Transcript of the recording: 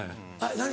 何？